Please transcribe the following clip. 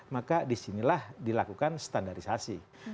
maka disinilah dilakukan standarisasi